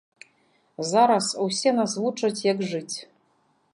Зараз усе нас вучаць, як жыць.